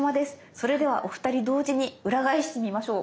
それではお二人同時に裏返してみましょう。